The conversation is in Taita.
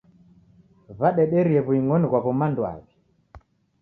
W'adederie w'uing'oni ghwaw'o mando aw'i.